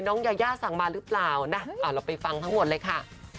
ยาย่าสั่งมาหรือเปล่านะเราไปฟังทั้งหมดเลยค่ะ